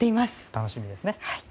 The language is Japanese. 楽しみですね。